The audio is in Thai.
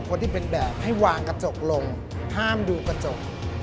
คนที่เป็นแบบให้วางกระจกลงห้ามดูกระจก